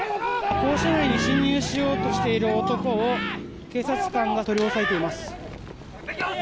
校舎内に侵入しようとしている男を警察官が取り押さえています。